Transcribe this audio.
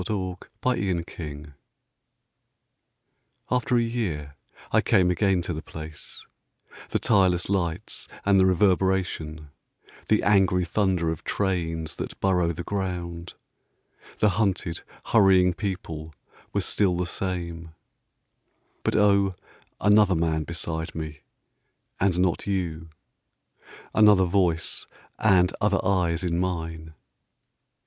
IN A SUBWAY STATION AFTER a year I came again to the place; The tireless lights and the reverberation, The angry thunder of trains that burrow the ground, The hunted, hurrying people were still the same But oh, another man beside me and not you! Another voice and other eyes in mine!